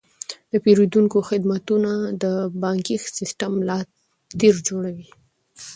د پیرودونکو خدمتونه د بانکي سیستم ملا تیر جوړوي.